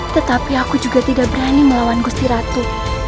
tetapi aku juga tidak berani melawan gusti ratu